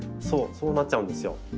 そうなっちゃうんですよ。